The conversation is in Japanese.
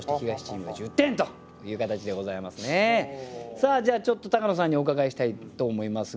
さあじゃあちょっと高野さんにお伺いしたいと思いますが。